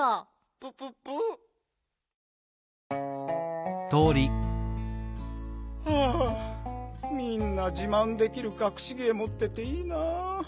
プププ？はあみんなじまんできるかくし芸もってていいなあ。